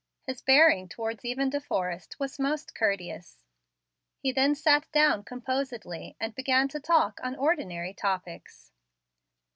His bearing towards even De Forrest was most courteous. He then sat down composedly, and began to talk on ordinary topics.